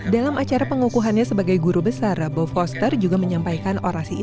dalam acara pengukuhannya sebagai guru besar bob foster juga menyampaikan orasi